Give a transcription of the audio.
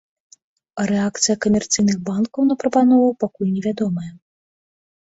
Рэакцыя камерцыйных банкаў на прапанову пакуль невядомая.